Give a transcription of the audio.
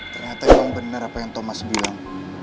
ternyata emang benar apa yang thomas bilang